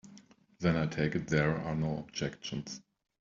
Then I take it there are no objections.